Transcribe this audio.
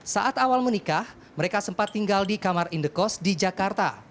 saat awal menikah mereka sempat tinggal di kamar indekos di jakarta